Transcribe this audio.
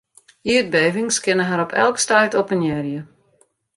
Ierdbevings kinne har op elk stuit oppenearje.